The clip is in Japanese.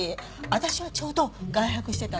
私はちょうど外泊してたのよ。